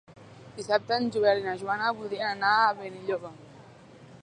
Dissabte en Joel i na Joana voldrien anar a Benilloba.